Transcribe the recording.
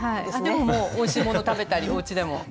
でももうおいしいもの食べたりおうちでも。